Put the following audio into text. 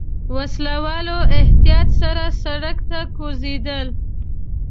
وسله والو احتياط سره سړک ته کوزېدل.